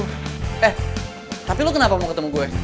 eh tapi lu kenapa mau ketemu gue